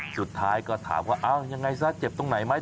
สุดท้ายก็ถามว่ายังไงซะเจ็บตรงไหนไหม